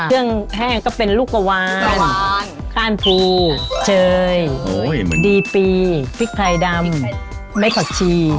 เครื่องแห้งก็เป็นลูกวานข้านผูเชยดีปีพริกไพรดำไม้ผักชี